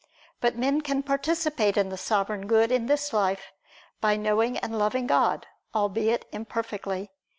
But men can participate in the Sovereign Good in this life, by knowing and loving God, albeit imperfectly.